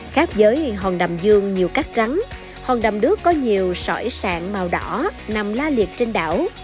khác với hòn đầm dương nhiều cát trắng hòn đầm đước có nhiều sỏi sạng màu đỏ nằm la liệt trên đảo